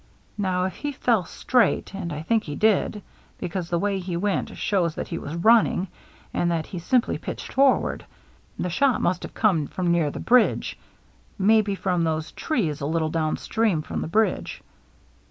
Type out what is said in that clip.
Now if he fell straight, — and I think he did, because the way he went shows that he was running, and that he simply pitched forward, — the shot must have come from near the bridge, niaybe from those trees a little down stream from the bridge.